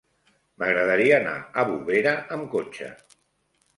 M'agradaria anar a Bovera amb cotxe.